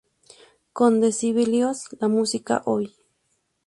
Con Decibelios, la música Oi!